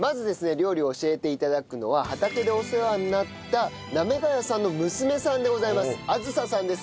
料理を教えて頂くのは畑でお世話になった行谷さんの娘さんでございます梓さんです。